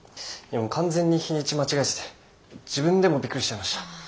完全に日にち間違えてて自分でもびっくりしちゃいました。